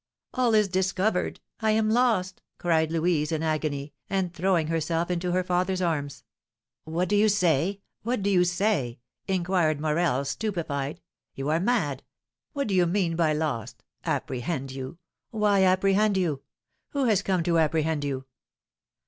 "All is discovered, I am lost!" cried Louise, in agony, and throwing herself into her father's arms. "What do you say? What do you say?" inquired Morel, stupefied. "You are mad! What do you mean by lost? Apprehend you! Why apprehend you? Who has come to apprehend you?"